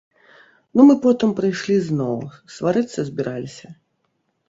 Ну мы потым прыйшлі зноў, сварыцца збіраліся.